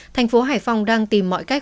thành phố hải phòng đang tìm mọi cách